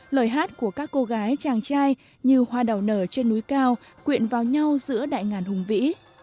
lời hát của các cô gái chàng trai như hoa đào nở trên núi cao quyện vào nhau giữa đại ngàn hùng vĩ